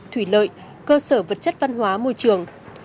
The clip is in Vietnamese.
thủy lợi cơ sở vật chất văn hóa môi trường